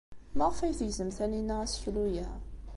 Maɣef ay tegzem Taninna aseklu-a?